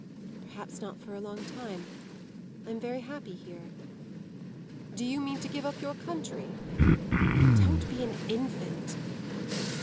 "Perhaps not for a long time. I'm very happy here." "Do you mean to give up your country?" "Don't be an infant!"